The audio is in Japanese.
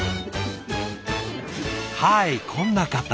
はいこんな方。